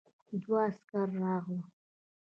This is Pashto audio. دوه عسکر راغلل.